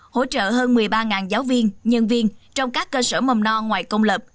hỗ trợ hơn một mươi ba giáo viên nhân viên trong các cơ sở mầm no ngoài công lập